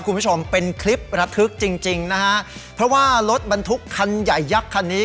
คุณผู้ชมเป็นคลิประทึกจริงจริงนะฮะเพราะว่ารถบรรทุกคันใหญ่ยักษ์คันนี้